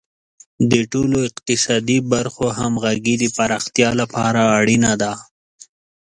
د ټولو اقتصادي برخو همغږي د پراختیا لپاره اړینه ده.